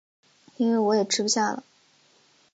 因为我也吃不下了